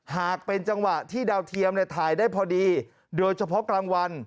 หากเป็นจังหวะที่ดาวเทียมถ่ายได้พอดีโดยเฉพาะกลางวัน